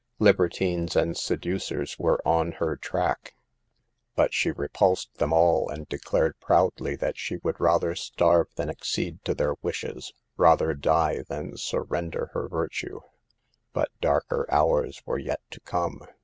Libertines and seducers were on her track, but she re pulsed them all and declared proudly that she would rather starve than accede to their wishes, rather die than surrender her virtue. But darker hours were yet to come.